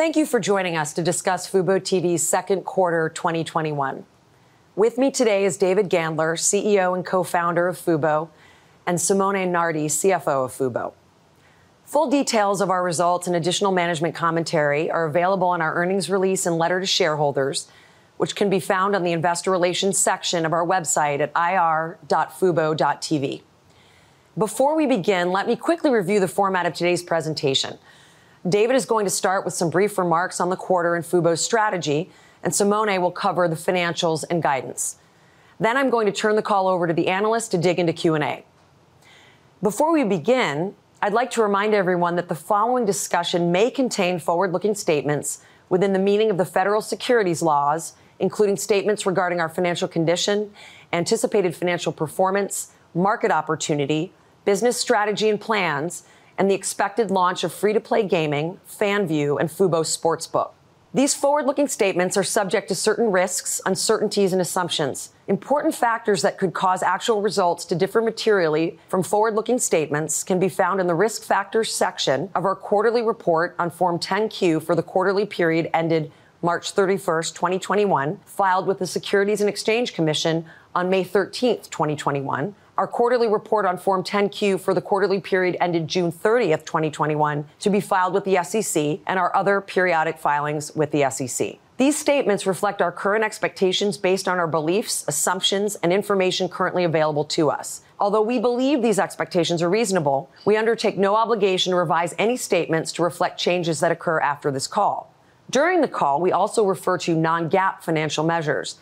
Thank you for joining us to discuss fuboTV's second quarter 2021. With me today is David Gandler, CEO and Co-Founder of fubo, and Simone Nardi, CFO of fubo. Full details of our results and additional management commentary are available on our earnings release and letter to shareholders, which can be found on the investor relations section of our website at ir.fubo.tv. Before we begin, let me quickly review the format of today's presentation. David is going to start with some brief remarks on the quarter and fubo's strategy, and Simone will cover the financials and guidance. I'm going to turn the call over to the analyst to dig into Q&A. Before we begin, I'd like to remind everyone that the following discussion may contain forward-looking statements within the meaning of the federal securities laws, including statements regarding our financial condition, anticipated financial performance, market opportunity, business strategy and plans, and the expected launch of free-to-play gaming, FanView, and fubo Sportsbook. These forward-looking statements are subject to certain risks, uncertainties, and assumptions. Important factors that could cause actual results to differ materially from forward-looking statements can be found in the risk factors section of our quarterly report on Form 10-Q for the quarterly period ended March 31st, 2021, filed with the Securities and Exchange Commission on May 13th, 2021. Our quarterly report on Form 10-Q for the quarterly period ended June 30th, 2021, to be filed with the SEC and our other periodic filings with the SEC. These statements reflect our current expectations based on our beliefs, assumptions, and information currently available to us. Although we believe these expectations are reasonable, we undertake no obligation to revise any statements to reflect changes that occur after this call. During the call, we also refer to non-GAAP financial measures.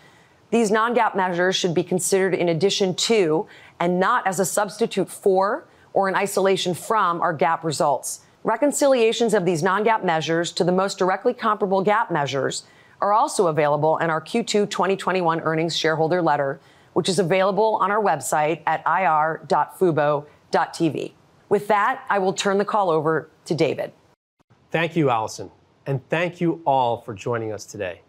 These non-GAAP measures should be considered in addition to and not as a substitute for or an isolation from our GAAP results. Reconciliations of these non-GAAP measures to the most directly comparable GAAP measures are also available in our Q2 2021 earnings shareholder letter, which is available on our website at ir.fubo.tv. With that, I will turn the call over to David. Thank you, Alison, and thank you all for joining us today.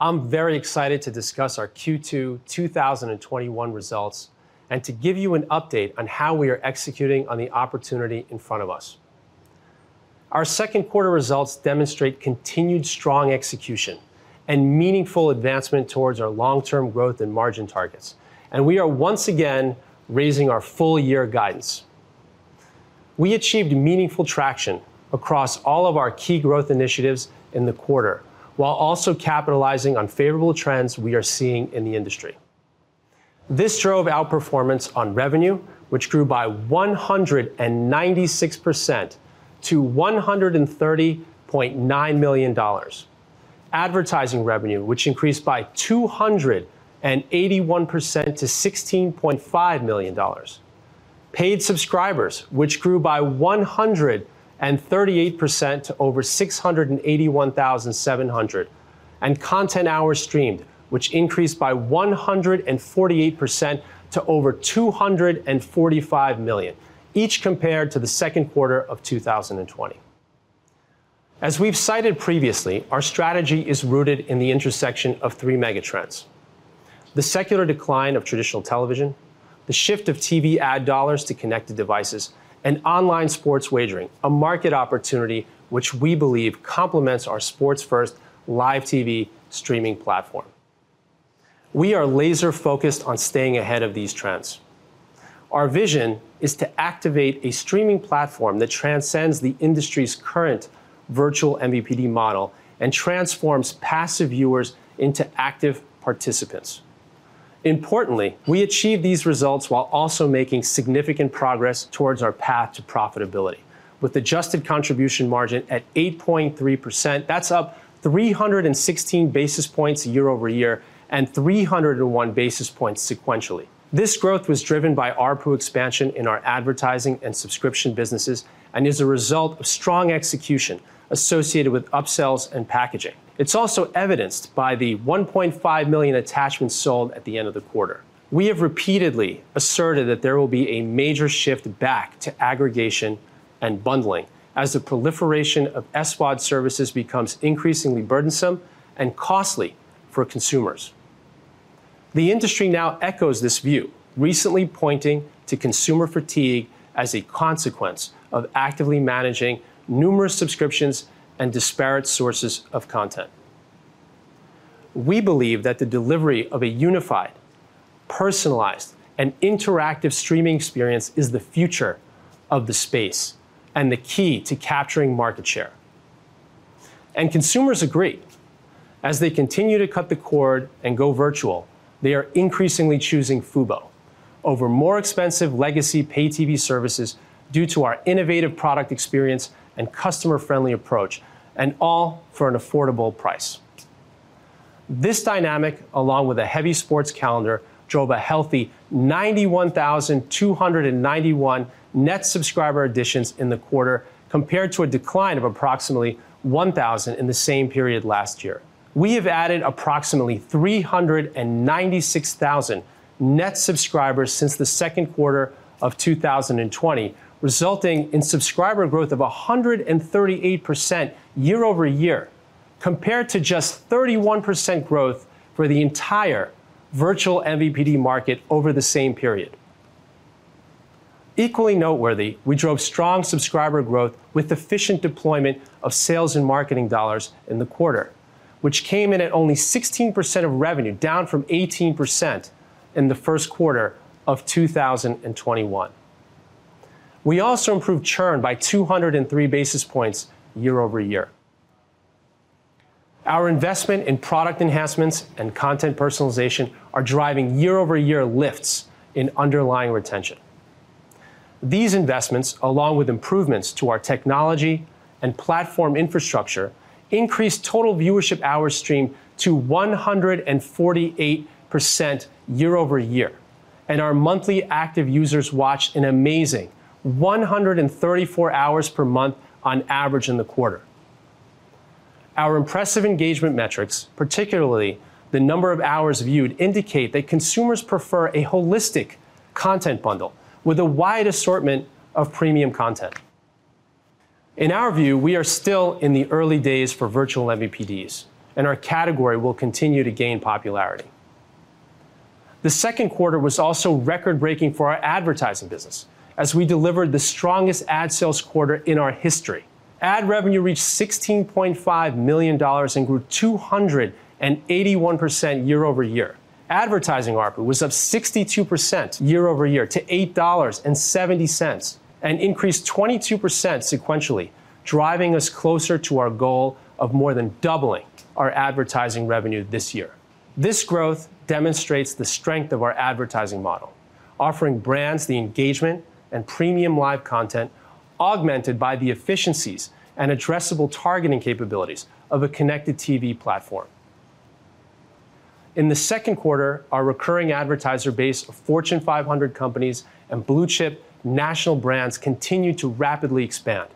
I'm very excited to discuss our Q2 2021 results and to give you an update on how we are executing on the opportunity in front of us. Our second quarter results demonstrate continued strong execution and meaningful advancement towards our long-term growth and margin targets, and we are once again raising our full year guidance. We achieved meaningful traction across all of our key growth initiatives in the quarter, while also capitalizing on favorable trends we are seeing in the industry. This drove outperformance on revenue, which grew by 196% to $130.9 million. Advertising revenue, which increased by 281% to $16.5 million. Paid subscribers, which grew by 138% to over 681,700, and content hours streamed, which increased by 148% to over 245 million, each compared to the second quarter of 2020. As we've cited previously, our strategy is rooted in the intersection of three mega trends. The secular decline of traditional television, the shift of TV ad dollars to connected devices, and online sports wagering, a market opportunity which we believe complements our sports-first live TV streaming platform. We are laser-focused on staying ahead of these trends. Our vision is to activate a streaming platform that transcends the industry's current virtual MVPD model and transforms passive viewers into active participants. Importantly, we achieve these results while also making significant progress towards our path to profitability. With adjusted contribution margin at 8.3%, that's up 316 basis points year-over-year and 301 basis points sequentially. This growth was driven by ARPU expansion in our advertising and subscription businesses and is a result of strong execution associated with upsells and packaging. It's also evidenced by the 1.5 million attachments sold at the end of the quarter. We have repeatedly asserted that there will be a major shift back to aggregation and bundling as the proliferation of SVOD services becomes increasingly burdensome and costly for consumers. The industry now echoes this view, recently pointing to consumer fatigue as a consequence of actively managing numerous subscriptions and disparate sources of content. We believe that the delivery of a unified, personalized, and interactive streaming experience is the future of the space and the key to capturing market share. Consumers agree. As they continue to cut the cord and go virtual, they are increasingly choosing fubo over more expensive legacy pay TV services due to our innovative product experience and customer friendly approach, and all for an affordable price. This dynamic, along with a heavy sports calendar, drove a healthy 91,291 net subscriber additions in the quarter compared to a decline of approximately 1,000 in the same period last year. We have added approximately 396,000 net subscribers since the second quarter of 2020, resulting in subscriber growth of 138% year-over-year, compared to just 31% growth for the entire virtual MVPD market over the same period. Equally noteworthy, we drove strong subscriber growth with efficient deployment of sales and marketing dollars in the quarter, which came in at only 16% of revenue, down from 18% in the first quarter of 2021. We also improved churn by 203 basis points year-over-year. Our investment in product enhancements and content personalization are driving year-over-year lifts in underlying retention. These investments, along with improvements to our technology and platform infrastructure, increased total viewership hours streamed to 148% year-over-year. Our monthly active users watched an amazing 134 hours per month on average in the quarter. Our impressive engagement metrics, particularly the number of hours viewed, indicate that consumers prefer a holistic content bundle with a wide assortment of premium content. In our view, we are still in the early days for virtual MVPDs, and our category will continue to gain popularity. The second quarter was also record-breaking for our advertising business, as we delivered the strongest ad sales quarter in our history. Ad revenue reached $16.5 million and grew 281% year-over-year. Advertising ARPU was up 62% year-over-year to $8.70 and increased 22% sequentially, driving us closer to our goal of more than doubling our advertising revenue this year. This growth demonstrates the strength of our advertising model, offering brands the engagement and premium live content augmented by the efficiencies and addressable targeting capabilities of a connected TV platform. In the second quarter, our recurring advertiser base of Fortune 500 companies and blue-chip national brands continued to rapidly expand.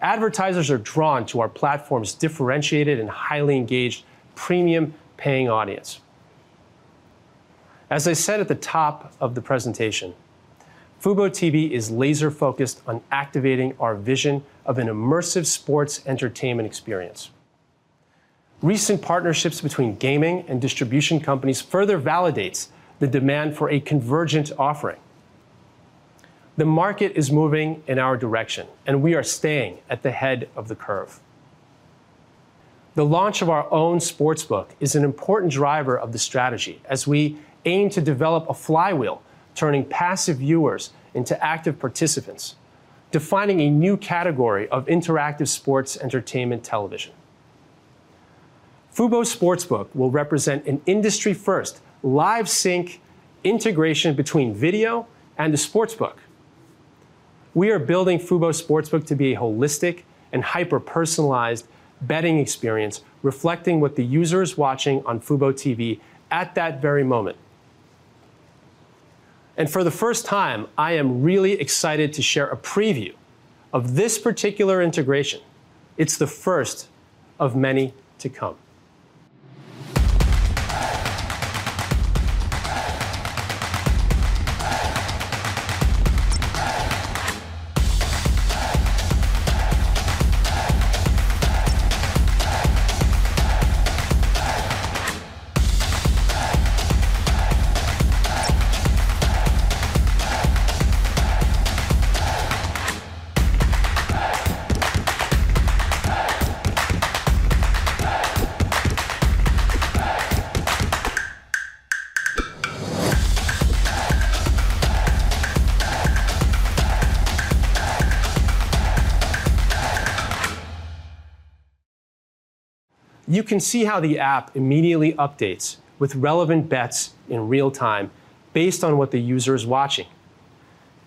Advertisers are drawn to our platform's differentiated and highly engaged premium paying audience. As I said at the top of the presentation, fuboTV is laser-focused on activating our vision of an immersive sports entertainment experience. Recent partnerships between gaming and distribution companies further validates the demand for a convergent offering. The market is moving in our direction, and we are staying at the head of the curve. The launch of our own Sportsbook is an important driver of the strategy as we aim to develop a flywheel, turning passive viewers into active participants, defining a new category of interactive sports entertainment television. fubo Sportsbook will represent an industry-first live sync integration between video and a sportsbook. We are building fubo Sportsbook to be a holistic and hyper-personalized betting experience, reflecting what the user is watching on fuboTV at that very moment. For the first time, I am really excited to share a preview of this particular integration. It's the first of many to come. You can see how the app immediately updates with relevant bets in real time based on what the user is watching,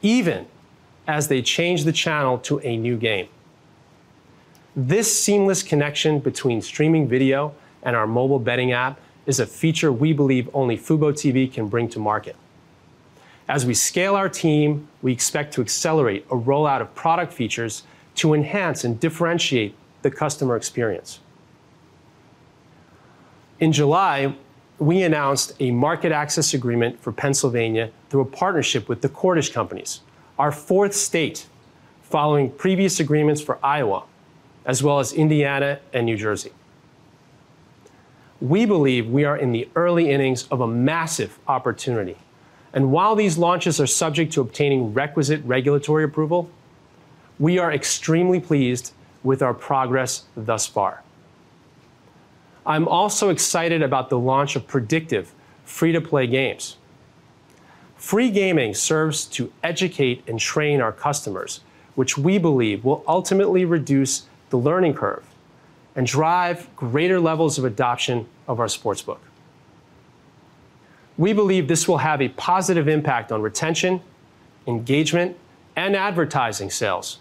even as they change the channel to a new game. This seamless connection between streaming video and our mobile betting app is a feature we believe only fuboTV can bring to market. As we scale our team, we expect to accelerate a rollout of product features to enhance and differentiate the customer experience. In July, we announced a market access agreement for Pennsylvania through a partnership with The Cordish Companies, our fourth state following previous agreements for Iowa, as well as Indiana and New Jersey. We believe we are in the early innings of a massive opportunity. While these launches are subject to obtaining requisite regulatory approval, we are extremely pleased with our progress thus far. I'm also excited about the launch of predictive free-to-play games. Free gaming serves to educate and train our customers, which we believe will ultimately reduce the learning curve and drive greater levels of adoption of our Sportsbook. We believe this will have a positive impact on retention, engagement, and advertising sales,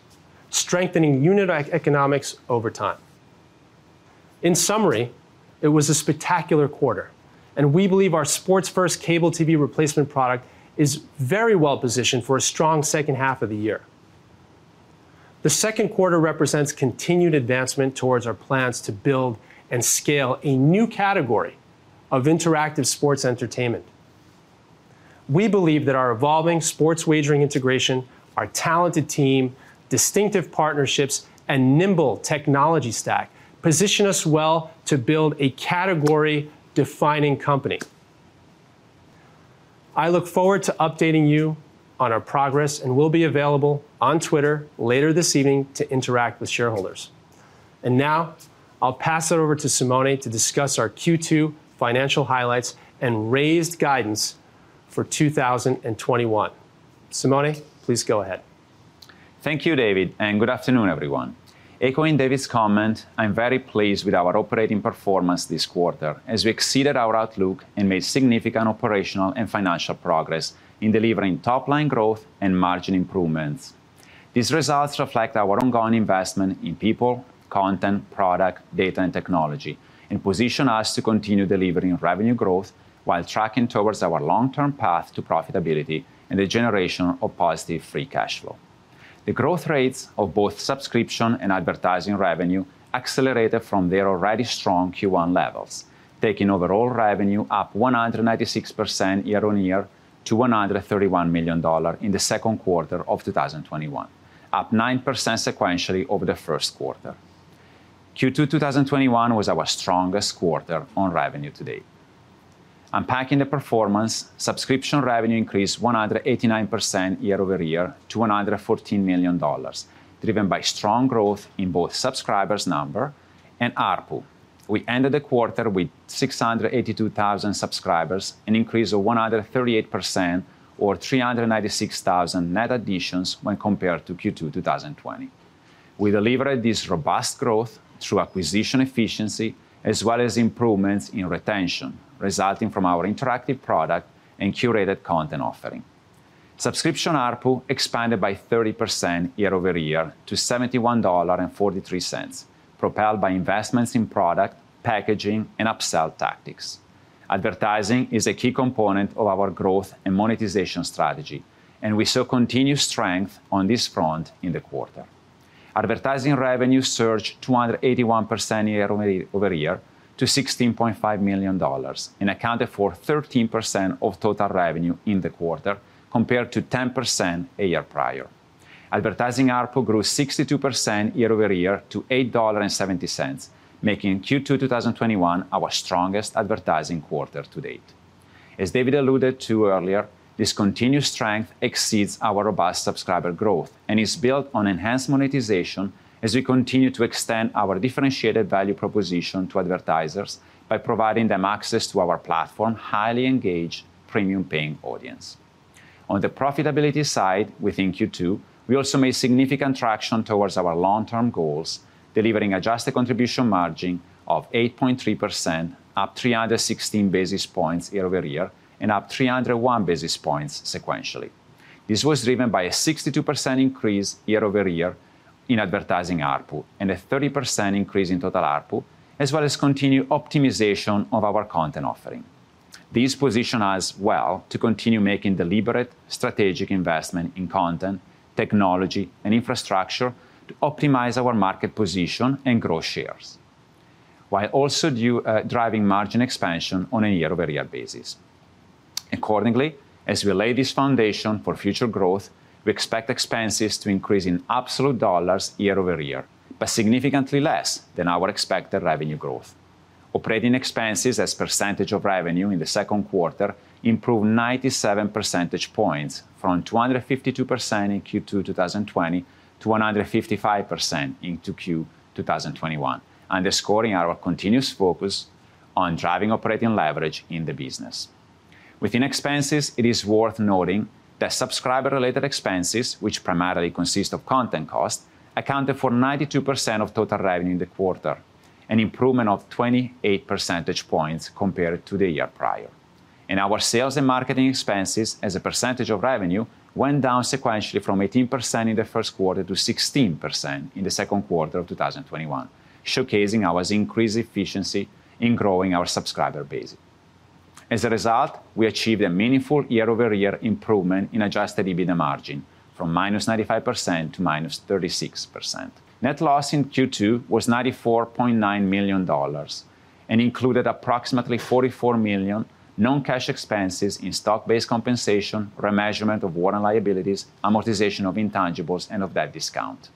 strengthening unit economics over time. In summary, it was a spectacular quarter, and we believe our sports-first cable TV replacement product is very well positioned for a strong second half of the year. The second quarter represents continued advancement towards our plans to build and scale a new category of interactive sports entertainment. We believe that our evolving sports wagering integration, our talented team, distinctive partnerships, and nimble technology stack position us well to build a category-defining company. I look forward to updating you on our progress and will be available on Twitter later this evening to interact with shareholders. Now I'll pass it over to Simone to discuss our Q2 financial highlights and raised guidance for 2021. Simone, please go ahead. Thank you, David, and good afternoon, everyone. Echoing David's comment, I am very pleased with our operating performance this quarter as we exceeded our outlook and made significant operational and financial progress in delivering top-line growth and margin improvements. These results reflect our ongoing investment in people, content, product, data, and technology, and position us to continue delivering revenue growth while tracking towards our long-term path to profitability and the generation of positive free cash flow. The growth rates of both subscription and advertising revenue accelerated from their already strong Q1 levels, taking overall revenue up 196% year-on-year to $131 million in the second quarter of 2021, up 9% sequentially over the first quarter. Q2 2021 was our strongest quarter on revenue to date. Unpacking the performance, subscription revenue increased 189% year-over-year to $114 million, driven by strong growth in both subscribers number and ARPU. We ended the quarter with 682,000 subscribers, an increase of 138%, or 396,000 net additions when compared to Q2 2020. We delivered this robust growth through acquisition efficiency as well as improvements in retention resulting from our interactive product and curated content offering. Subscription ARPU expanded by 30% year-over-year to $71.43, propelled by investments in product, packaging, and upsell tactics. Advertising is a key component of our growth and monetization strategy, and we saw continued strength on this front in the quarter. Advertising revenue surged 281% year-over-year to $16.5 million and accounted for 13% of total revenue in the quarter, compared to 10% a year prior. Advertising ARPU grew 62% year-over-year to $8.70, making Q2 2021 our strongest advertising quarter to date. As David alluded to earlier, this continued strength exceeds our robust subscriber growth and is built on enhanced monetization as we continue to extend our differentiated value proposition to advertisers by providing them access to our platform, highly engaged, premium-paying audience. On the profitability side within Q2, we also made significant traction towards our long-term goals, delivering adjusted contribution margin of 8.3%, up 316 basis points year-over-year and up 301 basis points sequentially. This was driven by a 62% increase year-over-year in advertising ARPU and a 30% increase in total ARPU, as well as continued optimization of our content offering. These position us well to continue making deliberate strategic investment in content, technology, and infrastructure to optimize our market position and grow shares while also driving margin expansion on a year-over-year basis. Accordingly, as we lay this foundation for future growth, we expect expenses to increase in absolute dollars year-over-year, but significantly less than our expected revenue growth. Operating expenses as percentage of revenue in the second quarter improved 97 percentage points from 252% in Q2 2020 to 155% in 2Q 2021, underscoring our continuous focus on driving operating leverage in the business. Within expenses, it is worth noting that subscriber-related expenses, which primarily consist of content costs, accounted for 92% of total revenue in the quarter, an improvement of 28 percentage points compared to the year prior. Our sales and marketing expenses as a percentage of revenue went down sequentially from 18% in the first quarter to 16% in the second quarter of 2021, showcasing our increased efficiency in growing our subscriber base. As a result, we achieved a meaningful year-over-year improvement in adjusted EBITDA margin from -95% to -36%. Net loss in Q2 was $94.9 million and included approximately $44 million non-cash expenses in stock-based compensation, remeasurement of warrant liabilities, amortization of intangibles, and of debt discount.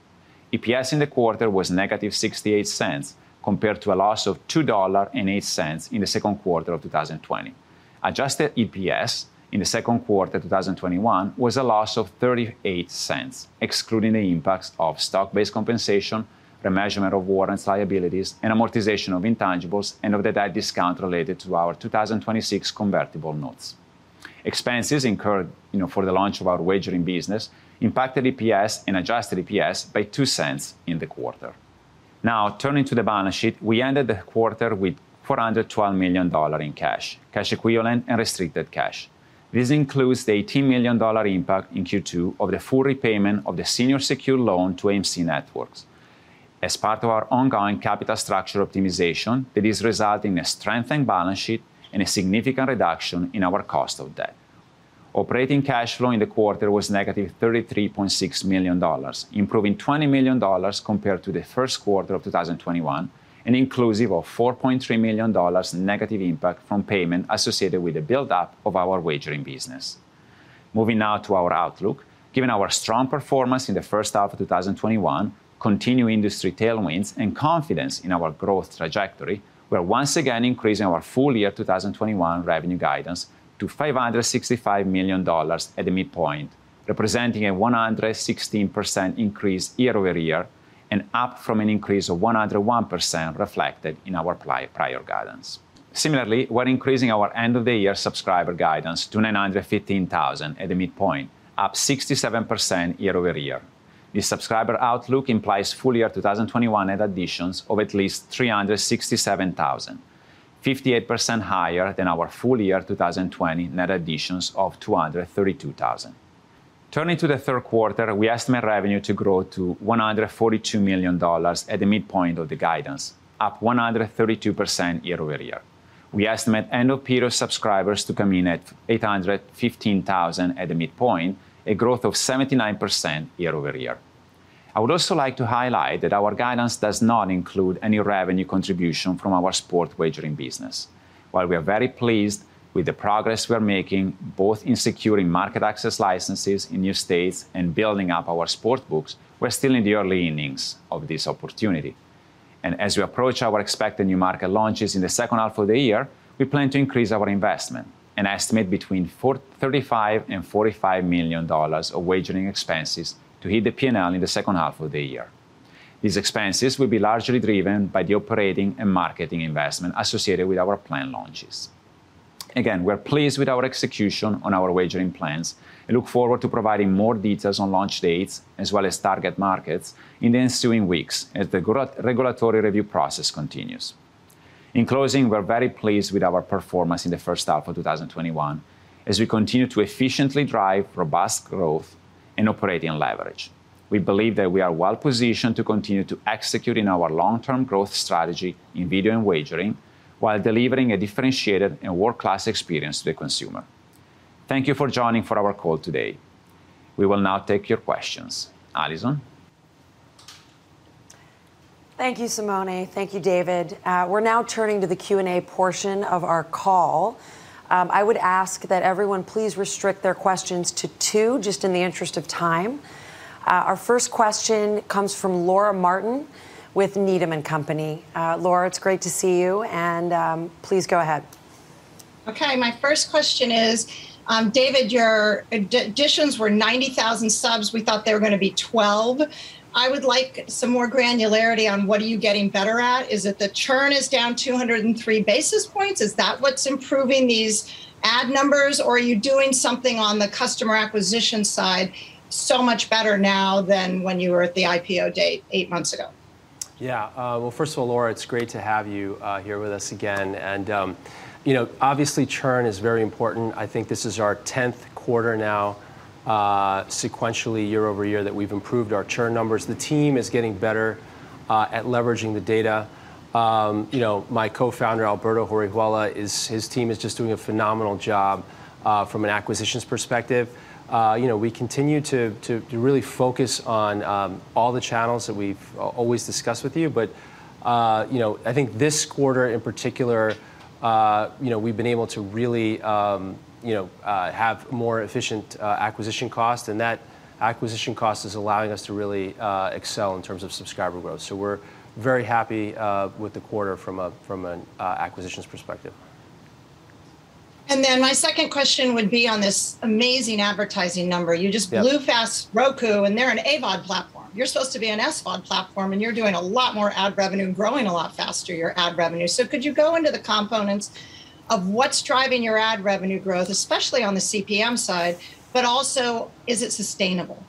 EPS in the quarter was -$0.68 compared to a loss of $2.08 in the second quarter of 2020. Adjusted EPS in the second quarter 2021 was a loss of $0.38, excluding the impacts of stock-based compensation, remeasurement of warrants liabilities, and amortization of intangibles and of the debt discount related to our 2026 convertible notes. Expenses incurred for the launch of our wagering business impacted EPS and adjusted EPS by $0.02 in the quarter. Now turning to the balance sheet. We ended the quarter with $412 million in cash equivalent, and restricted cash. This includes the $18 million impact in Q2 of the full repayment of the senior secured loan to AMC Networks. As part of our ongoing capital structure optimization, it is resulting in a strengthened balance sheet and a significant reduction in our cost of debt. Operating cash flow in the quarter was -$33.6 million, improving $20 million compared to the first quarter of 2021, and inclusive of $4.3 million negative impact from payment associated with the build-up of our wagering business. Moving now to our outlook. Given our strong performance in the first half of 2021, continuing these tailwinds, and confidence in our growth trajectory, we are once again increasing our full year 2021 revenue guidance to $565 million at the midpoint, representing a 116% increase year-over-year, and up from an increase of 101% reflected in our prior guidance. Similarly, we're increasing our end-of-the-year subscriber guidance to 915,000 at the midpoint, up 67% year-over-year. This subscriber outlook implies full year 2021 net additions of at least 367,000, 58% higher than our full year 2020 net additions of 232,000. Turning to the third quarter, we estimate revenue to grow to $142 million at the midpoint of the guidance, up 132% year-over-year. We estimate end of period subscribers to come in at 815,000 at the midpoint, a growth of 79% year-over-year. I would also like to highlight that our guidance does not include any revenue contribution from our sport wagering business. While we are very pleased with the progress we are making, both in securing market access licenses in new states and building up our sports books, we're still in the early innings of this opportunity. As we approach our expected new market launches in the second half of the year, we plan to increase our investment, an estimate between $35 million and $45 million of wagering expenses to hit the P&L in the second half of the year. These expenses will be largely driven by the operating and marketing investment associated with our planned launches. Again, we're pleased with our execution on our wagering plans and look forward to providing more details on launch dates, as well as target markets, in the ensuing weeks as the regulatory review process continues. In closing, we're very pleased with our performance in the first half of 2021 as we continue to efficiently drive robust growth and operating leverage. We believe that we are well positioned to continue to execute in our long-term growth strategy in video and wagering, while delivering a differentiated and world-class experience to the consumer. Thank you for joining for our call today. We will now take your questions. Alison? Thank you, Simone. Thank you, David. We're now turning to the Q&A portion of our call. I would ask that everyone please restrict their questions to two, just in the interest of time. Our first question comes from Laura Martin with Needham & Company. Laura, it's great to see you, and please go ahead. Okay. My first question is, David, your additions were 90,000 subs. We thought they were going to be 12. I would like some more granularity on what are you getting better at. Is it the churn is down 203 basis points? Is that what's improving these add numbers, or are you doing something on the customer acquisition side so much better now than when you were at the IPO date eight months ago? Well, first of all, Laura, it's great to have you here with us again. Obviously churn is very important. I think this is our 10th quarter now sequentially year over year that we've improved our churn numbers. The team is getting better at leveraging the data. My co-founder, Alberto Horihuela, his team is just doing a phenomenal job from an acquisitions perspective. We continue to really focus on all the channels that we've always discussed with you. I think this quarter in particular, we've been able to really have more efficient acquisition cost, and that acquisition cost is allowing us to really excel in terms of subscriber growth. We're very happy with the quarter from an acquisitions perspective. My second question would be on this amazing advertising number. You just blew past Roku, and they're an AVOD platform. You're supposed to be an SVOD platform, and you're doing a lot more ad revenue, growing a lot faster your ad revenue. Could you go into the components of what's driving your ad revenue growth, especially on the CPM side, but also is it sustainable?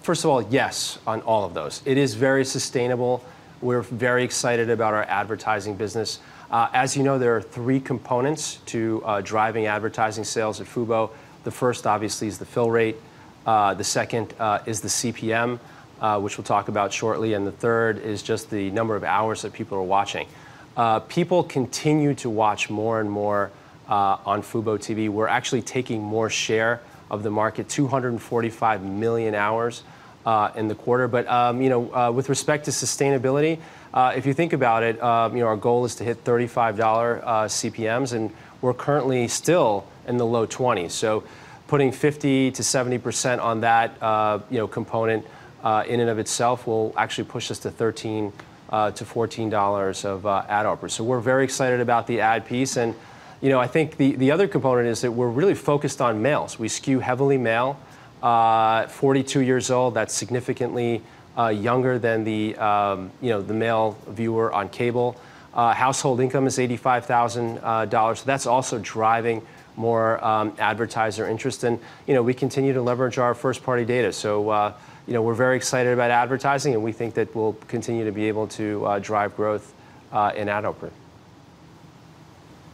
First of all, yes on all of those. It is very sustainable. We're very excited about our advertising business. As you know, there are three components to driving advertising sales at fubo. The first, obviously, is the fill rate. The second is the CPM, which we'll talk about shortly. The third is just the number of hours that people are watching. People continue to watch more and more on fuboTV. We're actually taking more share of the market, 245 million hours in the quarter. With respect to sustainability, if you think about it, our goal is to hit $35 CPMs, and we're currently still in the low 20s. Putting 50%-70% on that component in and of itself will actually push us to $13-$14 of ad ARPU. We're very excited about the ad piece. I think the other component is that we're really focused on males. We skew heavily male, 42 years old. That's significantly younger than the male viewer on cable. Household income is $85,000. That's also driving more advertiser interest. We continue to leverage our first-party data. We're very excited about advertising, and we think that we'll continue to be able to drive growth in ad ARPU.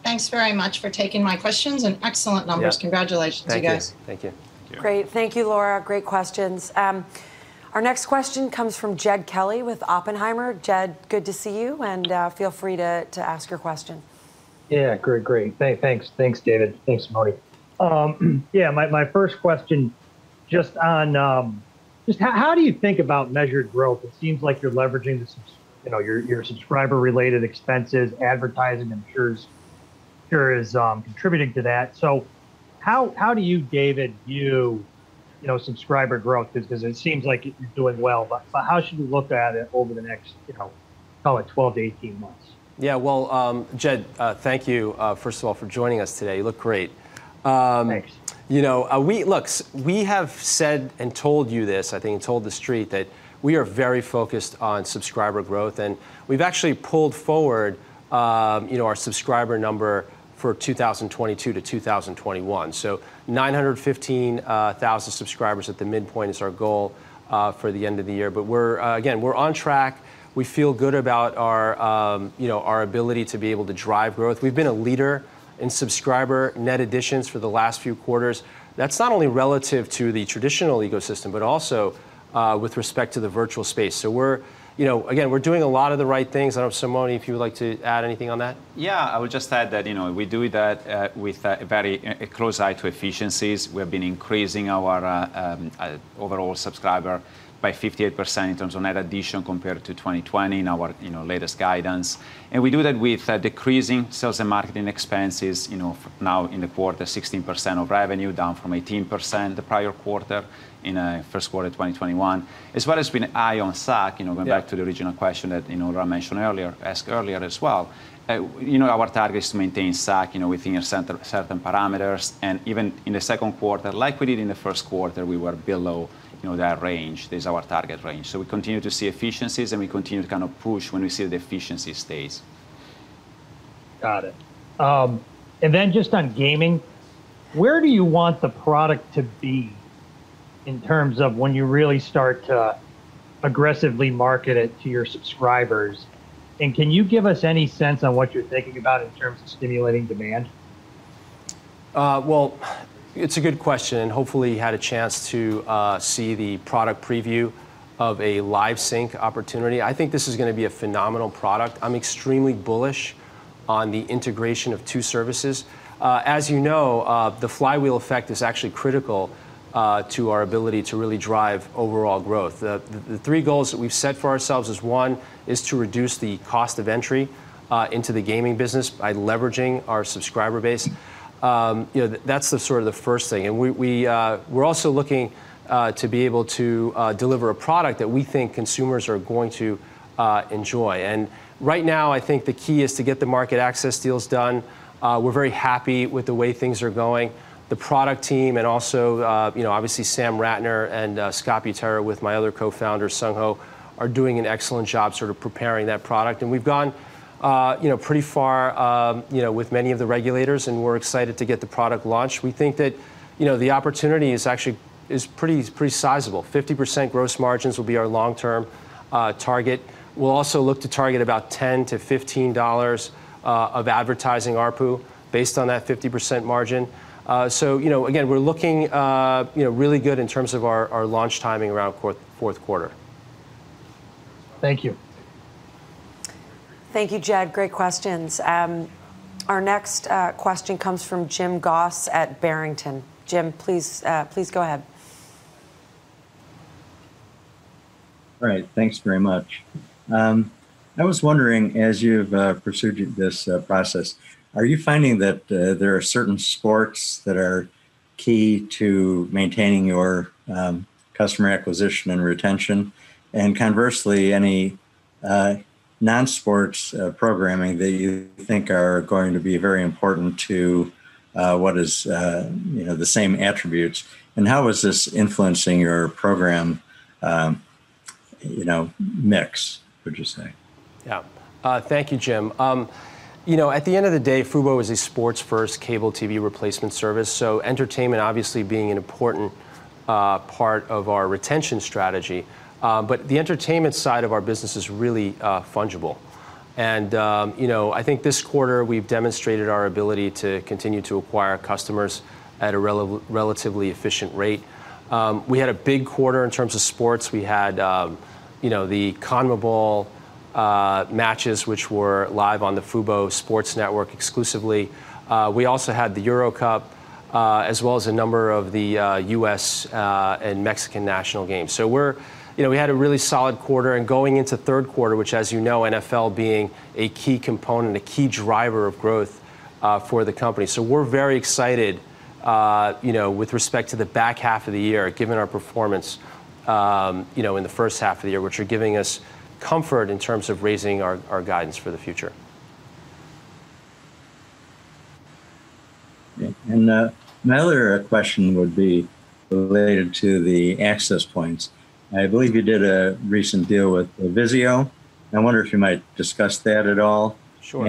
Thanks very much for taking my questions. Excellent numbers. Yeah. Congratulations, you guys. Thank you. Thank you. Great. Thank you, Laura. Great questions. Our next question comes from Jed Kelly with Oppenheimer. Jed, good to see you, and feel free to ask your question. Yeah, great. Thanks, David. Thanks, Simone. Yeah, my first question just how do you think about measured growth? It seems like you're leveraging your subscriber-related expenses, advertising I'm sure is contributing to that. How do you, David, view subscriber growth? Because it seems like you're doing well, but how should we look at it over the next probably 12 to 18 months? Yeah. Well, Jed, thank you, first of all, for joining us today. You look great. Thanks. We have said and told you this, I think, and told the street that we are very focused on subscriber growth, and we've actually pulled forward our subscriber number for 2022 to 2021. 915,000 subscribers at the midpoint is our goal for the end of the year. We're on track. We feel good about our ability to be able to drive growth. We've been a leader in subscriber net additions for the last few quarters. That's not only relative to the traditional ecosystem, but also with respect to the virtual space. We're doing a lot of the right things. I don't know, Simone, if you would like to add anything on that. Yeah. I would just add that we do that with a very close eye to efficiencies. We have been increasing our overall subscriber by 58% in terms of net addition compared to 2020 in our latest guidance. We do that with decreasing sales and marketing expenses now in the quarter, 16% of revenue, down from 18% the prior quarter in first quarter 2021, as well as being an eye on SAC. Yeah. Going back to the original question that I mentioned earlier, asked earlier as well. Our target is to maintain SAC within a certain parameters, and even in the second quarter, like we did in the first quarter, we were below that range. There's our target range. We continue to see efficiencies, and we continue to kind of push when we see the efficiency stays. Got it. Just on gaming, where do you want the product to be in terms of when you really start to aggressively market it to your subscribers? Can you give us any sense on what you're thinking about in terms of stimulating demand? Well, it's a good question, and hopefully you had a chance to see the product preview of a live sync opportunity. I think this is going to be a phenomenal product. I'm extremely bullish on the integration of two services. As you know, the flywheel effect is actually critical to our ability to really drive overall growth. The three goals that we've set for ourselves is one, is to reduce the cost of entry into the gaming business by leveraging our subscriber base. That's the sort of the first thing. We're also looking to be able to deliver a product that we think consumers are going to enjoy. Right now, I think the key is to get the market access deals done. We're very happy with the way things are going. The product team, and also obviously Sam Rattner and Scott Butera with my other co-founder, Sung Ho, are doing an excellent job sort of preparing that product. We've gone pretty far with many of the regulators, and we're excited to get the product launched. We think that the opportunity is actually pretty sizable. 50% gross margins will be our long-term target. We'll also look to target about $10-$15 of advertising ARPU based on that 50% margin. Again, we're looking really good in terms of our launch timing around fourth quarter. Thank you. Thank you, Jed. Great questions. Our next question comes from Jim Goss at Barrington. Jim, please go ahead. Right. Thanks very much. I was wondering, as you've pursued this process, are you finding that there are certain sports that are key to maintaining your customer acquisition and retention? Conversely, any non-sports programming that you think are going to be very important to what is the same attributes, and how is this influencing your program mix, would you say? Yeah. Thank you, Jim. At the end of the day, fubo is a sports-first cable TV replacement service, so entertainment obviously being an important part of our retention strategy. The entertainment side of our business is really fungible. I think this quarter, we've demonstrated our ability to continue to acquire customers at a relatively efficient rate. We had a big quarter in terms of sports. We had the CONMEBOL matches, which were live on the fubo Sports Network exclusively. We also had the Euro Cup, as well as a number of the U.S. and Mexican national games. We had a really solid quarter, and going into third quarter, which as you know, NFL being a key component, a key driver of growth for the company. We're very excited with respect to the back half of the year, given our performance in the first half of the year, which are giving us comfort in terms of raising our guidance for the future. My other question would be related to the access points. I believe you did a recent deal with VIZIO, and I wonder if you might discuss that at all. Sure.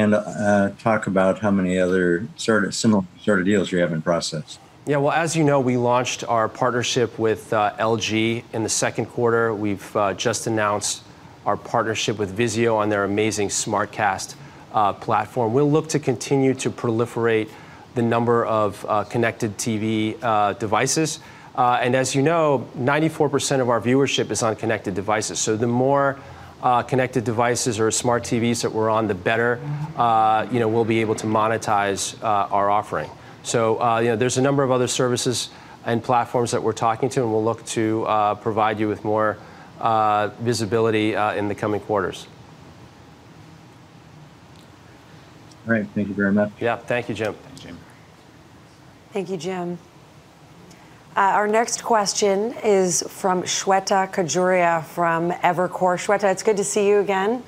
Talk about how many other sort of similar sort of deals you have in process. Well, as you know, we launched our partnership with LG in the second quarter. We've just announced our partnership with VIZIO on their amazing SmartCast platform. We'll look to continue to proliferate the number of connected TV devices. As you know, 94% of our viewership is on connected devices. The more connected devices or smart TVs that we're on, the better we'll be able to monetize our offering. There's a number of other services and platforms that we're talking to, and we'll look to provide you with more visibility in the coming quarters. All right. Thank you very much. Yeah. Thank you, Jim. Thanks, Jim. Thank you, Jim. Our next question is from Shweta Khajuria from Evercore. Shweta, it's good to see you again.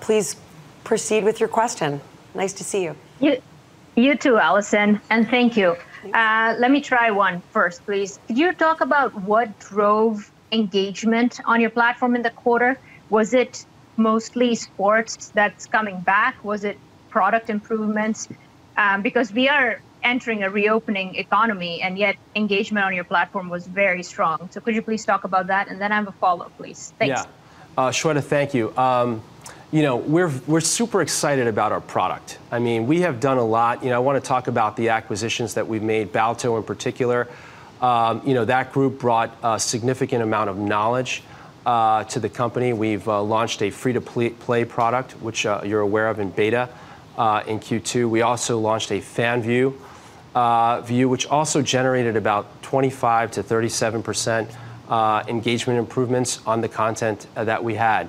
Please proceed with your question. Nice to see you. You too, Allison, and thank you. Let me try one first, please. Could you talk about what drove engagement on your platform in the quarter? Was it mostly sports that's coming back? Was it product improvements? We are entering a reopening economy, and yet engagement on your platform was very strong. Could you please talk about that? I have a follow-up, please. Thanks. Shweta, thank you. We're super excited about our product. We have done a lot. I want to talk about the acquisitions that we've made, Balto in particular. That group brought a significant amount of knowledge to the company. We've launched a free-to-play product, which you're aware of in beta in Q2. We also launched a FanView, which also generated about 25%-37% engagement improvements on the content that we had.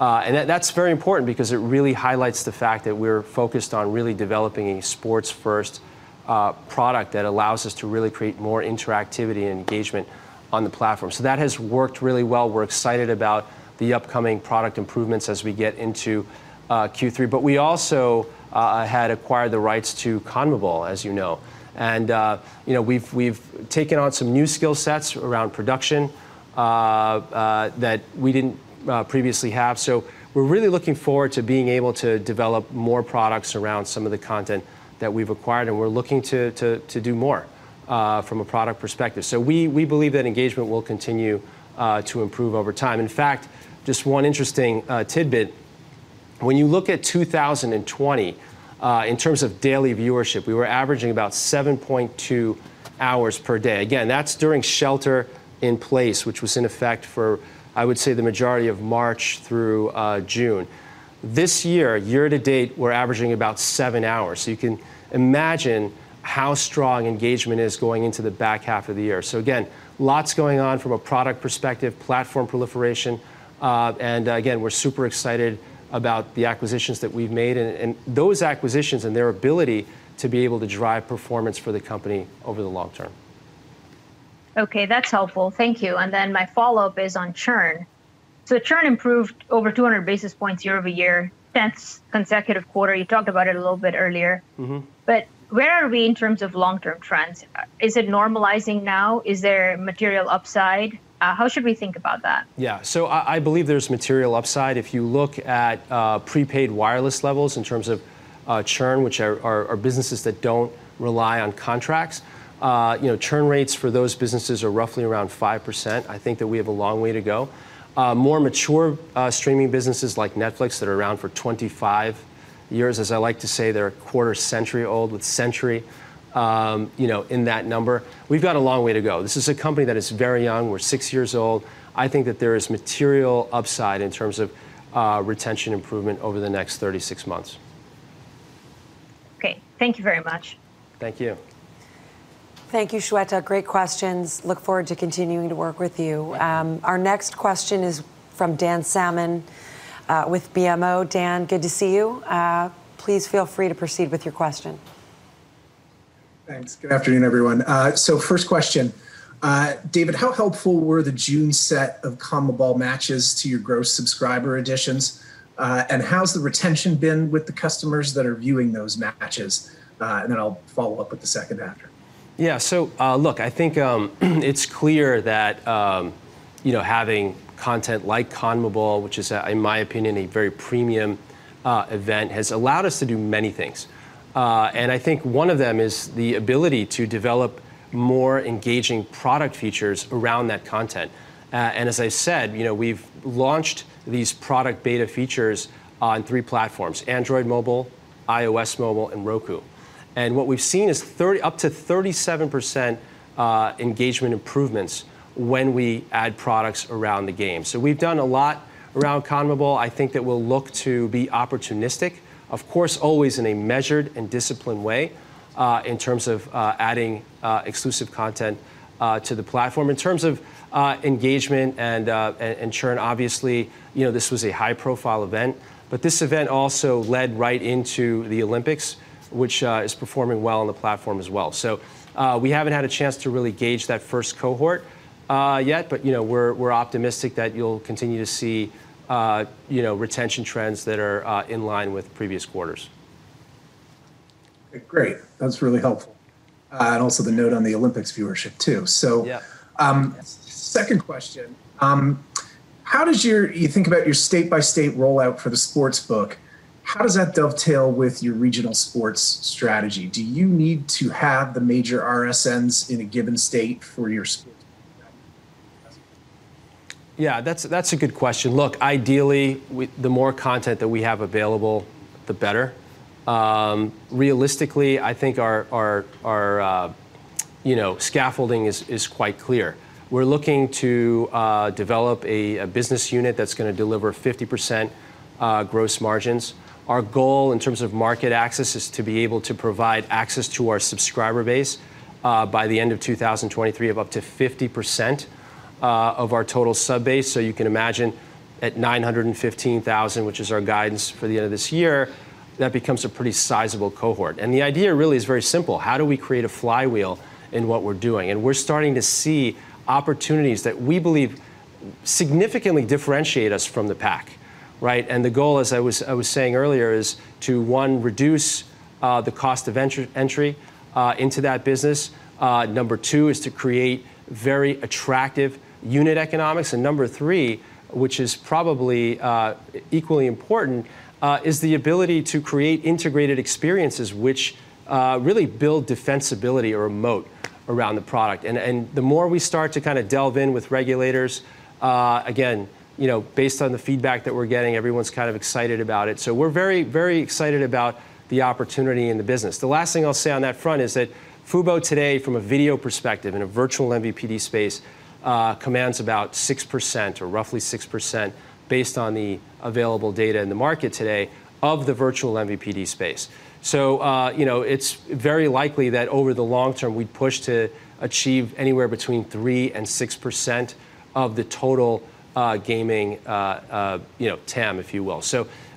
That's very important because it really highlights the fact that we're focused on really developing a sports-first product that allows us to really create more interactivity and engagement on the platform. That has worked really well. We're excited about the upcoming product improvements as we get into Q3. We also had acquired the rights to CONMEBOL, as you know, and we've taken on some new skill sets around production that we didn't previously have. We're really looking forward to being able to develop more products around some of the content that we've acquired, and we're looking to do more from a product perspective. We believe that engagement will continue to improve over time. In fact, just one interesting tidbit, when you look at 2020 in terms of daily viewership, we were averaging about 7.2 hours per day. Again, that's during shelter in place, which was in effect for, I would say, the majority of March through June. This year to date, we're averaging about seven hours. You can imagine how strong engagement is going into the back half of the year. Again, lots going on from a product perspective, platform proliferation, and again, we're super excited about the acquisitions that we've made and those acquisitions and their ability to be able to drive performance for the company over the long term. Okay. That's helpful. Thank you. My follow-up is on churn. Churn improved over 200 basis points year-over-year, 10th consecutive quarter. You talked about it a little bit earlier. Where are we in terms of long-term trends? Is it normalizing now? Is there material upside? How should we think about that? Yeah. I believe there's material upside. If you look at prepaid wireless levels in terms of churn, which are businesses that don't rely on contracts, churn rates for those businesses are roughly around 5%. I think that we have a long way to go. More mature streaming businesses like Netflix that are around for 25 years, as I like to say, they're a quarter-century old with century in that number. We've got a long way to go. This is a company that is very young. We're six years old. I think that there is material upside in terms of retention improvement over the next 36 months. Okay. Thank you very much. Thank you. Thank you, Shweta. Great questions. Look forward to continuing to work with you. Our next question is from Dan Salmon with BMO. Dan, good to see you. Please feel free to proceed with your question. Thanks. Good afternoon, everyone. First question. David, how helpful were the June set of CONMEBOL matches to your gross subscriber additions? How's the retention been with the customers that are viewing those matches? I'll follow up with the second after. Look, I think it's clear that having content like CONMEBOL, which is, in my opinion, a very premium event, has allowed us to do many things. I think one of them is the ability to develop more engaging product features around that content. As I said, we've launched these product beta features on three platforms, Android mobile, iOS mobile, and Roku. What we've seen is up to 37% engagement improvements when we add products around the game. We've done a lot around CONMEBOL. I think that we'll look to be opportunistic, of course, always in a measured and disciplined way in terms of adding exclusive content to the platform. In terms of engagement and churn, obviously, this was a high-profile event, but this event also led right into the Olympics, which is performing well on the platform as well. We haven't had a chance to really gauge that first cohort yet, but we're optimistic that you'll continue to see retention trends that are in line with previous quarters. Great. That's really helpful. Also the note on the Olympics viewership, too. Yeah. Second question. You think about your state-by-state rollout for the Sportsbook, how does that dovetail with your regional sports strategy? Do you need to have the major RSNs in a given state for your Sportsbook? Yeah, that's a good question. Look, ideally, the more content that we have available, the better. Realistically, I think our scaffolding is quite clear. We're looking to develop a business unit that's going to deliver 50% gross margins. Our goal in terms of market access is to be able to provide access to our subscriber base by the end of 2023 of up to 50% of our total sub base. You can imagine at 915,000, which is our guidance for the end of this year, that becomes a pretty sizable cohort. The idea really is very simple. How do we create a flywheel in what we're doing? We're starting to see opportunities that we believe significantly differentiate us from the pack. Right? The goal, as I was saying earlier, is to, one, reduce the cost of entry into that business. Number two is to create very attractive unit economics. Number three, which is probably equally important, is the ability to create integrated experiences, which really build defensibility or a moat around the product. The more we start to delve in with regulators, again, based on the feedback that we're getting, everyone's kind of excited about it. We're very excited about the opportunity in the business. The last thing I'll say on that front is that fubo today, from a video perspective, in a virtual MVPD space, commands about 6%, or roughly 6%, based on the available data in the market today of the virtual MVPD space. It's very likely that over the long term, we'd push to achieve anywhere between 3%-6% of the total gaming TAM, if you will.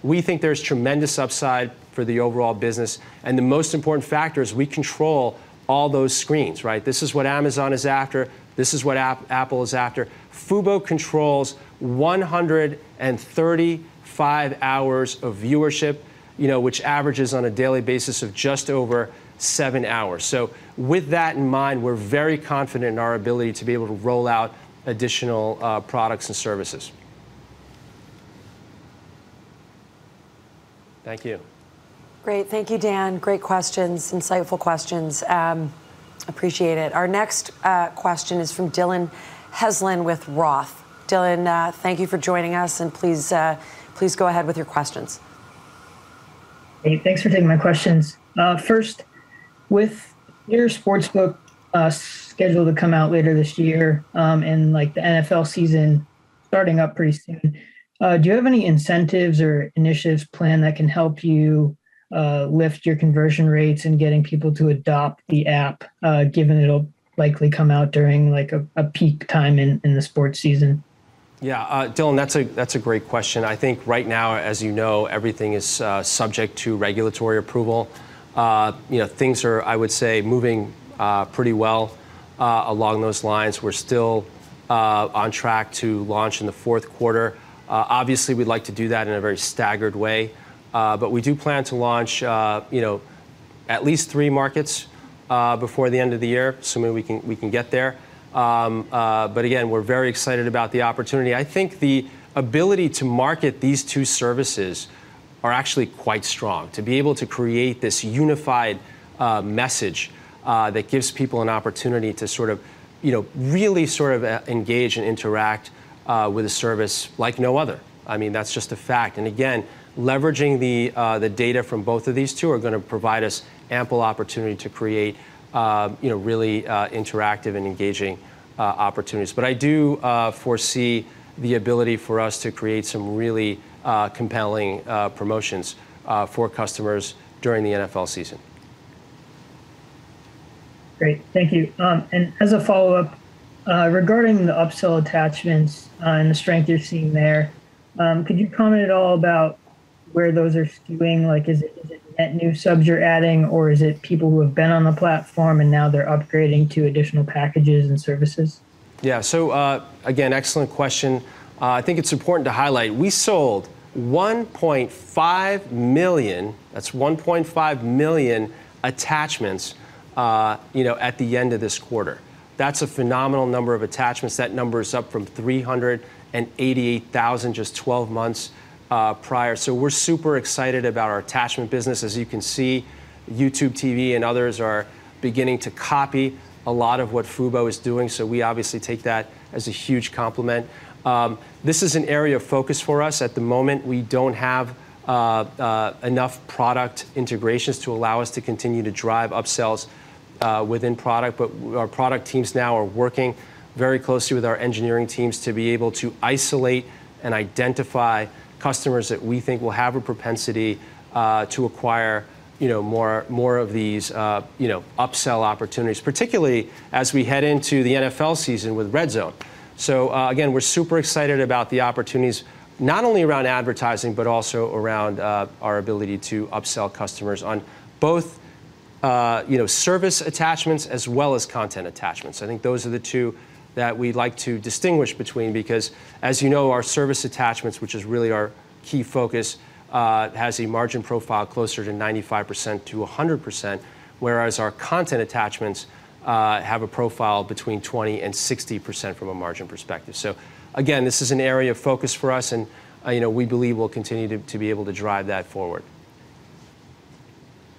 We think there's tremendous upside for the overall business, and the most important factor is we control all those screens, right? This is what Amazon is after. This is what Apple is after. fubo controls 135 hours of viewership, which averages on a daily basis of just over seven hours. With that in mind, we're very confident in our ability to be able to roll out additional products and services. Thank you. Great. Thank you, Dan. Great questions, insightful questions. Appreciate it. Our next question is from Dillon Heslin with ROTH. Dillon, thank you for joining us, and please go ahead with your questions. Hey, thanks for taking my questions. With your Sportsbook scheduled to come out later this year, and the NFL season starting up pretty soon, do you have any incentives or initiatives planned that can help you lift your conversion rates in getting people to adopt the app, given it'll likely come out during a peak time in the sports season? Yeah. Dillon, that's a great question. I think right now, as you know, everything is subject to regulatory approval. Things are, I would say, moving pretty well along those lines. We're still on track to launch in the fourth quarter. Obviously, we'd like to do that in a very staggered way. We do plan to launch at least three markets before the end of the year, assuming we can get there. Again, we're very excited about the opportunity. I think the ability to market these two services are actually quite strong. To be able to create this unified message that gives people an opportunity to really engage and interact with a service like no other. That's just a fact, and again, leveraging the data from both of these two are going to provide us ample opportunity to create really interactive and engaging opportunities. I do foresee the ability for us to create some really compelling promotions for customers during the NFL season. Great. Thank you. As a follow-up, regarding the upsell attachments and the strength you're seeing there, could you comment at all about where those are skewing? Like is it net new subs you're adding, or is it people who have been on the platform and now they're upgrading to additional packages and services? Yeah. Again, excellent question. I think it's important to highlight. We sold 1.5 million, that's 1.5 million attachments at the end of this quarter. That's a phenomenal number of attachments. That number is up from 388,000 just 12 months prior. We're super excited about our attachment business. As you can see, YouTube TV and others are beginning to copy a lot of what fubo is doing. We obviously take that as a huge compliment. This is an area of focus for us. At the moment, we don't have enough product integrations to allow us to continue to drive upsells within product, but our product teams now are working very closely with our engineering teams to be able to isolate and identify customers that we think will have a propensity to acquire more of these upsell opportunities, particularly as we head into the NFL season with RedZone. Again, we're super excited about the opportunities, not only around advertising, but also around our ability to upsell customers on both service attachments as well as content attachments. I think those are the two that we'd like to distinguish between because as you know, our service attachments, which is really our key focus, has a margin profile closer to 95%-100%, whereas our content attachments have a profile between 20% and 60% from a margin perspective. Again, this is an area of focus for us, and we believe we'll continue to be able to drive that forward.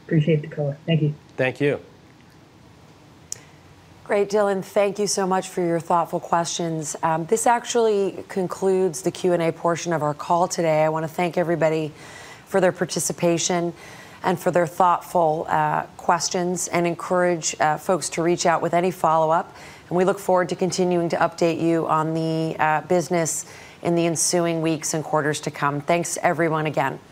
Appreciate the color. Thank you. Thank you. Great, Dillon. Thank you so much for your thoughtful questions. This actually concludes the Q&A portion of our call today. I want to thank everybody for their participation and for their thoughtful questions and encourage folks to reach out with any follow-up. We look forward to continuing to update you on the business in the ensuing weeks and quarters to come. Thanks everyone again. Thank you very much.